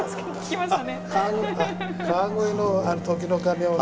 あっ川越の「時の鐘」をね。